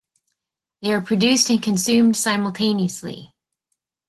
They are produced and consumed simultaneously.